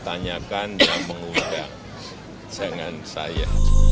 tanyakan dan mengundang dengan saya